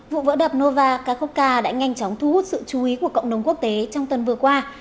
vụ vỡ đập nova kakokka đã nhanh chóng thu hút sự chú ý của cộng đồng quốc tế trong tuần vừa qua